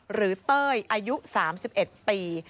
เต้ยอายุ๓๑ปี